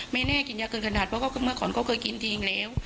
ไม่แน่กินยาเกินขนาดเพราะเมื่อก่อนเขาเคยกินจริงแล้ว